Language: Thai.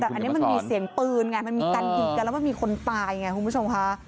แต่อันนี้มันมีเสียงปืนไงมันมีการยิงกันแล้วมันมีคนตายไงคุณผู้ชมค่ะ